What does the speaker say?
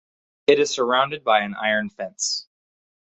It is surrounded by an iron fence.